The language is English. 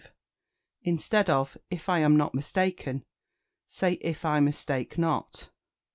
Instead of "If I am not mistaken," say "If I mistake not."